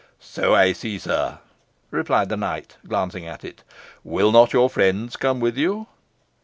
"So I see, sir," replied the knight, glancing at it. "Will not your friends come with you?"